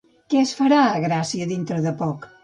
Què es farà a Gràcia dintre de poc?